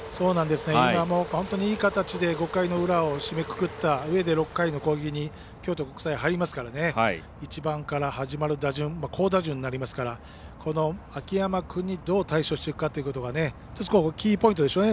今、本当にいい形で５回の裏を締めくくったうえで６回の攻撃に京都国際、入りますから１番から始まる打順好打順になりますから秋山君にどう対処していくかというところがキーポイントでしょうね。